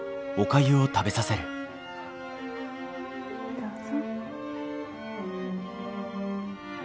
どうぞ。